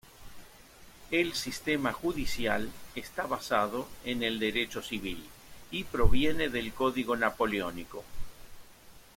El sistema judicial está basado en el derecho civil y proviene del Código Napoleónico.